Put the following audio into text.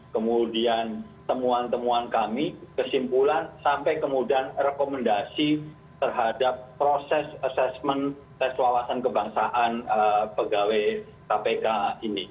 kemudian temuan temuan kami kesimpulan sampai kemudian rekomendasi terhadap proses asesmen tes wawasan kebangsaan pegawai kpk ini